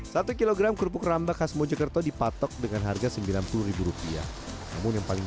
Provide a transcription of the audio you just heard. satu kilogram kerupuk rambak khas mojokerto dipatok dengan harga sembilan puluh rupiah namun yang paling